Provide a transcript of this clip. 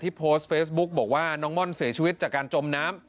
โพสต์เฟซบุ๊กบอกว่าน้องม่อนเสียชีวิตจากการจมน้ำ